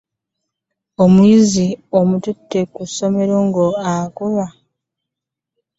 Omuyizi bamutute ku ssomero nga akaba.